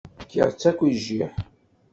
Fkiɣ-tt akk i jjiḥ.